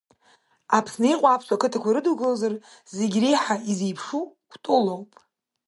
Аԥсны иҟоу аԥсуа қыҭақәа ирыдукылозар, зегьы реиҳа изеиԥшу Кәтол ауп.